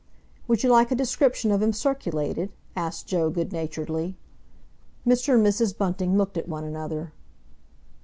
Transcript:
"Would you like a description of him circulated?" asked Joe good naturedly. Mr. and Mrs. Bunting looked at one another.